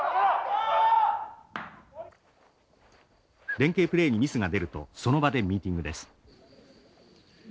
連係プレーにミスが出るとその場でミーティングです。